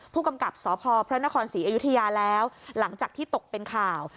ผู้กำกับสพพระนครศรีอยุธยาแล้วหลังจากที่ตกเป็นข่าว